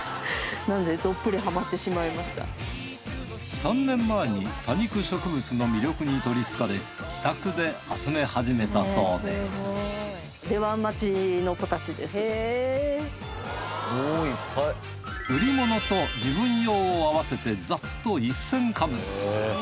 ３年前に多肉植物の魅力にとりつかれ自宅で集め始めたそうで売り物と自分用を合わせてざっと１，０００株。